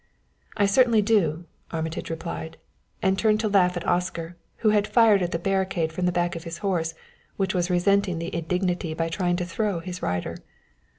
"I certainly do!" Armitage replied, and turned to laugh at Oscar, who had fired at the barricade from the back of his horse, which was resenting the indignity by trying to throw his rider.